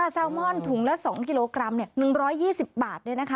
ซาวม่อนถุงละ๒กิโลกรัมละ๑๒๐บาท